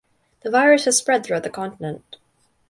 The virus has spread throughout the continent.